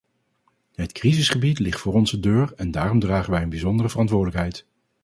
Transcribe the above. Het crisisgebied ligt voor onze deur, en daarom dragen wij een bijzondere verantwoordelijkheid.